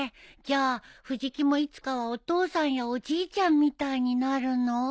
じゃあ藤木もいつかはお父さんやおじいちゃんみたいになるの？